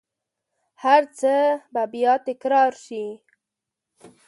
هرڅه به بیا تکرارشي